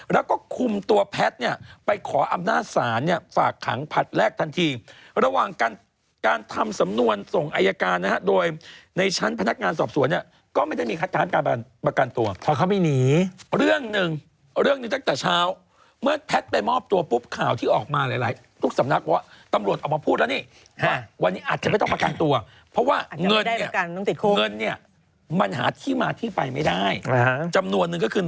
ระหว่างการทำสำนวนส่งอายการนะครับโดยในชั้นพนักงานสอบสวนเนี่ยก็ไม่ได้มีคัดท้านการประกันตัวเพราะเข้าไปหนีเรื่องหนึ่งเรื่องหนึ่งตั้งแต่เช้าเมื่อแพทน์ไปมอบตัวปุ๊บข่าวที่ออกมาหลายทุกสำนักว่าตำรวจออกมาพูดแล้วนี่วันนี้อาจจะไม่ต้องประกันตัวเพราะว่าเงินเนี่ยมันหาที่มาที่ไปไม่ได้จำนว